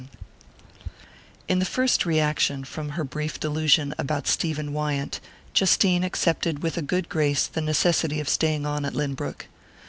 XXI IN the first reaction from her brief delusion about Stephen Wyant, Justine accepted with a good grace the necessity of staying on at Lynbrook.